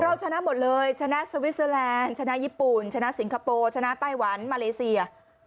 เราชนะหมดเลยชนะสวิสเตอร์แลนด์ชนะญี่ปุ่นชนะสิงคโปร์ชนะไต้หวันมาเลเซีย